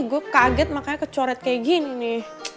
gue kaget makanya kecoret kayak gini nih